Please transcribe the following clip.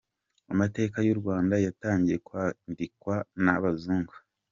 Amateka y’u Rwanda yatangiye kwandikwa n’abazungu.